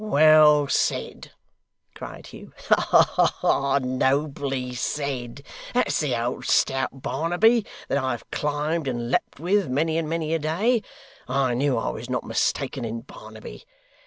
'Well said!' cried Hugh. 'Ha ha! Nobly said! That's the old stout Barnaby, that I have climbed and leaped with, many and many a day I knew I was not mistaken in Barnaby.